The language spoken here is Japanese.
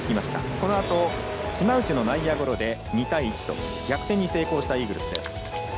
このあと、島内の内野ゴロで２対１と逆転に成功したイーグルスです。